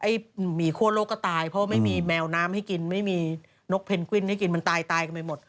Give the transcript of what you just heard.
หมีคั่วโลกก็ตายเพราะว่าไม่มีแมวน้ำให้กินไม่มีนกเพนกวินให้กินมันตายกันไปหมด